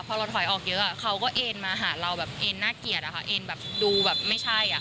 พอเราถอยออกเยอะเขาก็เอ็นมาหาเราแบบเอ็นน่าเกลียดอะค่ะเอ็นแบบดูแบบไม่ใช่